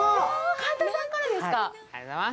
神田さんからですか？